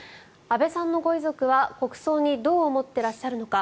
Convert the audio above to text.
安倍さんのご遺族は国葬にどう思っていらっしゃるのか。